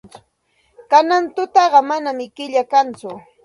Kanan tutaqa manam killa kanchu.